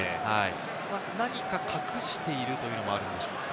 何か隠しているというのもあるんでしょうか？